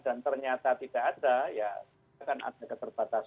dan ternyata tidak ada